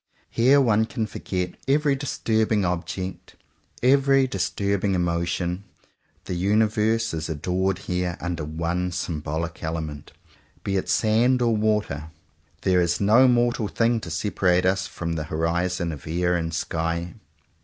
Here one can forget every dis turbing object, every disturbing emotion. The universe is adored here under one symbolic element, be it sand or water, and there is no mortal thing to separate us from the horizons of air and sky.